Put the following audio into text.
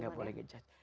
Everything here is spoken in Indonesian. gak boleh ngejudge